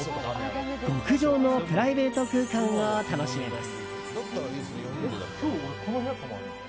極上のプライベート空間を楽しめます。